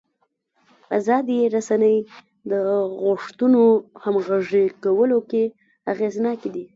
ازادې رسنۍ د غوښتنو همغږي کولو کې اغېزناکې دي.